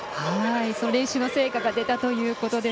その練習の成果が出たということですね。